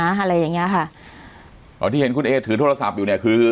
อะไรอย่างเงี้ยค่ะอ๋อที่เห็นคุณเอถือโทรศัพท์อยู่เนี่ยคือ